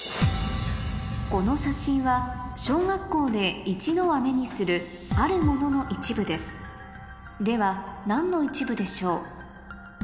この写真は小学校で一度は目にするあるものの一部ですでは何の一部でしょう？